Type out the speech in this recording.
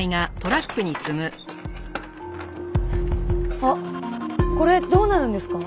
あっこれどうなるんですか？